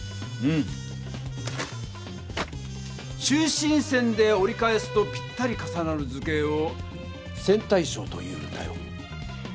中心線でおり返すとぴったり重なる図形を「線対称」と言うんだよ。